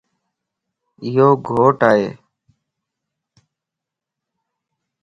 ايو گھوٽ ائي